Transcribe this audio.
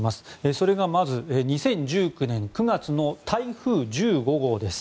それがまず２０１９年９月の台風１５号です。